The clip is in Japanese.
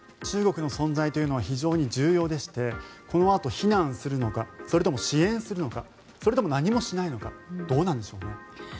中国の存在というのは非常に重要でしてこのあと非難するのかそれとも支援するのかそれとも何もしないのかどうなんでしょう。